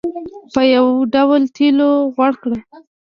په یو ډول تېلو غوړ کړ.